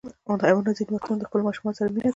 حیوانات ځینې وختونه د خپلو ماشومانو سره مینه کوي.